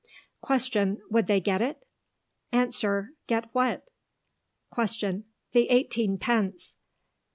Question: Would they get it? Answer: Get what? Question: The eighteen pence.